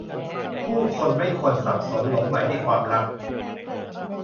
ผู้คนไม่ควรสับสนหลงใหลในความรัก